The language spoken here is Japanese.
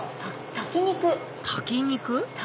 炊き肉？